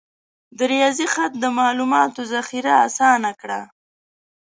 د ریاضي خط د معلوماتو ذخیره آسانه کړه.